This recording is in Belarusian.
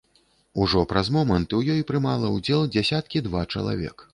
Ужо праз момант у ёй прымала ўдзел дзесяткі два чалавек.